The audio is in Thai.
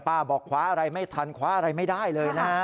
ป้าบอกขวาอะไรไม่ทันขวาอะไรไม่ได้เลยนะ